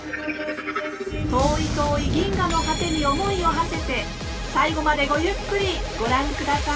遠い遠い銀河の果てに思いをはせて最後までごゆっくりご覧ください。